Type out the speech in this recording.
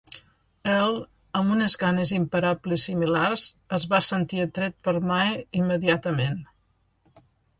Earl, amb una ganes imparables similars, es va sentir atret per Mae immediatament.